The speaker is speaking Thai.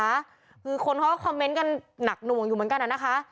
คือคนเขาก็คอมเมนต์กันหนักหน่วงอยู่เหมือนกันอ่ะนะคะ